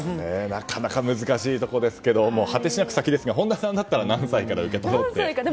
なかなか難しいところですが果てしなく先ですが本田さんだったら何歳から受け取りますか？